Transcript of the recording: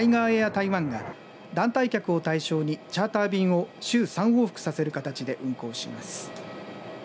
台湾が団体客を対象にチャーター便を週３往復させる形で運航します。